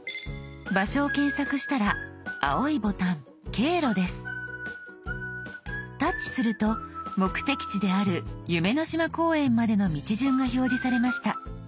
場所を検索したら青いボタン「経路」です。タッチすると目的地である夢の島公園までの道順が表示されました。